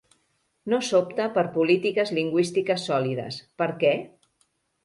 No s'opta per polítiques lingüístiques sòlides. Per què?